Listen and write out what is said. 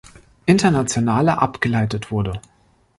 Internationale abgeleitet wurde.